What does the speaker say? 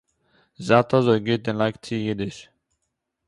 זייט אזוי גוט אין לייגט צו אידיש